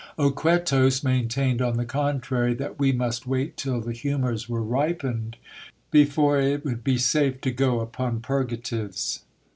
Oquetos maintained, on the contrary, tha f we must wait till the humours were ripened before it would be safe to go upon purgatives.